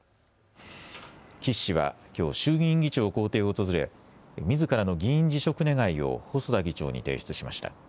岸氏はきょう、衆議院議長公邸を訪れ、みずからの議員辞職願を細田議長に提出しました。